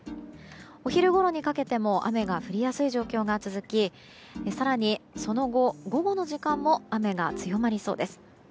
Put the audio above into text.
お昼ごろにかけても雨が降りやすい状況が続き更にその後、午後の時間も雨が強まりそうです。